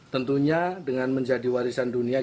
tentunya dengan menjadi warisan dunia